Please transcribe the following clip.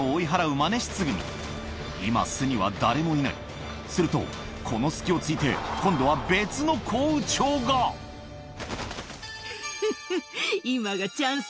今巣には誰もいないするとこの隙を突いて今度はフフフ今がチャンスね。